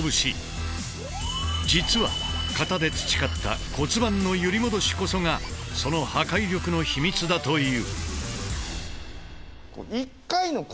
実は型で培った骨盤の「揺り戻し」こそがその破壊力の秘密だという。